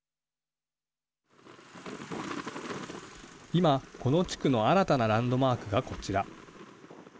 今、この地区の新たなランドマークがこちら。